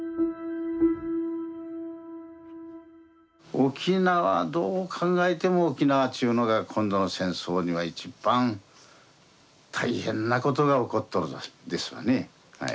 沖縄どう考えても沖縄っちゅうのが今度の戦争では一番大変なことが起こっとるですわね。